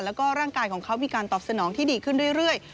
แล้วก็ร่างกายของเขามีการตอบสนองที่ดีขึ้นเรื่อย